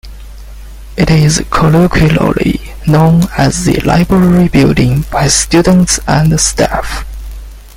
It is colloquially known as the "Library Building" by students and staff.